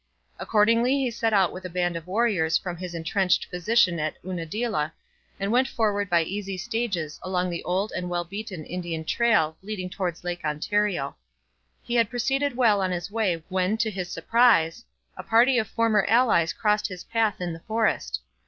Accordingly he set out with a band of warriors from his entrenched position at Unadilla and went forward by easy stages along the old and well beaten Indian trail leading towards Lake Ontario. He had proceeded well on his way when, to his surprise, a party of former allies crossed his path in the forest.